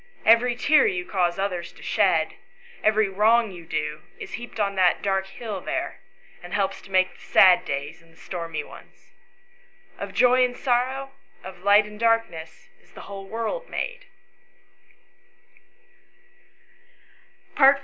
Every tear you cause others to shed, every wrong you do, is heaped on to the dark hill there, and helps to make the sad days and stormy ones. Of joy and sorrow, of light and darkness, is the whole world made."